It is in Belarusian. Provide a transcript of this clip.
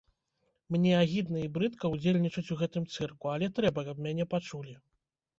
Мне агідна і брыдка удзельнічаць у гэтым цырку, але трэба, каб мяне пачулі.